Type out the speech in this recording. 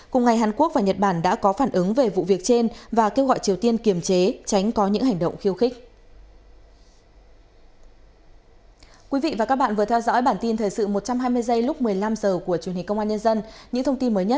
cùng ngày hàn quốc và nhật bản đã có phản ứng về vụ việc trên và kêu gọi triều tiên kiềm chế tránh có những hành động khiêu khích